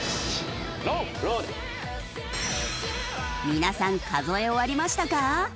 皆さん数え終わりましたか？